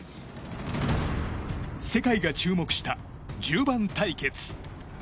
世界が注目した１０番対決。